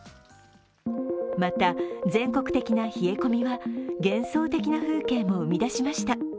また、全国的な冷え込みは幻想的な風景も生み出しました。